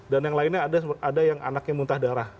dan yang lainnya ada yang anaknya muntah darah